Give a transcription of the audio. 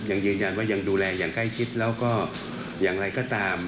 ยังยืนยันว่ายังดูแลอย่างใกล้ชิดแล้วก็อย่างไรก็ตาม